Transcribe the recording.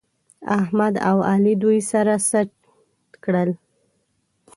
احمد او علي دوی سره سټ کړل